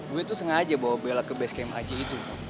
gua tuh sengaja bawa bella ke basecamp aja gitu